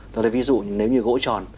rồi đây ví dụ nếu như gỗ tròn